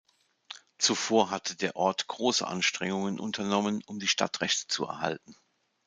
Zuvor hatte der Ort große Anstrengungen unternommen, um die Stadtrechte zu erhalten.